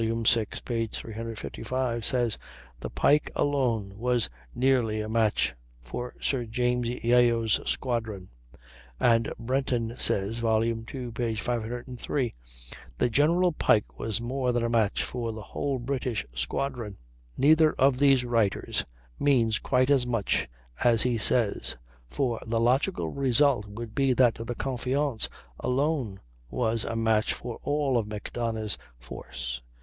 vi, p. 355) says: "The Pike alone was nearly a match for Sir James Yeo's squadron," and Brenton says (vol. ii, 503): "The General Pike was more than a match for the whole British squadron." Neither of these writers means quite as much as he says, for the logical result would be that the Confiance alone was a match for all of Macdonough's force.